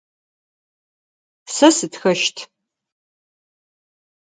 Сэ сытхэщт.